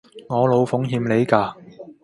我老奉欠你架？